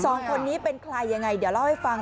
สองคนนี้เป็นใครยังไงเดี๋ยวเล่าให้ฟัง